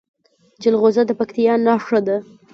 جلغوزه د پکتیا نښه ده.